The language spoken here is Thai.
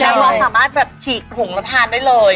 แล้วมอสสามารถแบบฉีกผงแล้วทานได้เลย